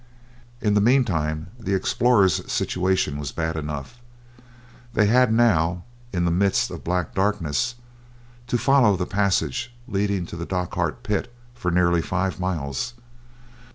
In the meantime the explorers' situation was bad enough. They had now, in the midst of black darkness, to follow the passage leading to the Dochart pit for nearly five miles.